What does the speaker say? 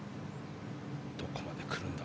どこまで来るんだ。